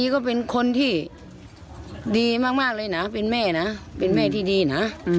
ก็เป็นคนที่ดีมากเลยนะเป็นแม่นะเป็นแม่ที่ดีนะ